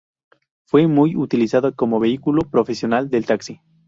Fue muy utilizado como vehículo profesional del taxi.